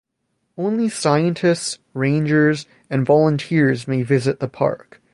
Only scientists, rangers and volunteers may visit the park.